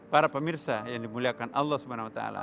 para pemirsa yang dimuliakan allah swt